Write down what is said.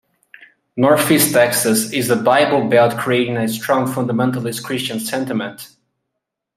Northeast Texas is in the Bible Belt creating a strong Fundamentalist Christian sentiment.